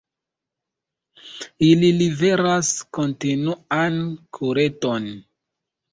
Ili liveras kontinuan kurenton.